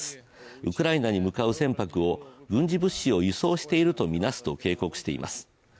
ウクライナに向かう船舶を軍事物資を輸送しているとみなすと警告しています。